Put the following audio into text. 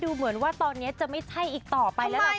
ดูเหมือนว่าตอนนี้จะไม่ใช่อีกต่อไปแล้วนะครับคุณ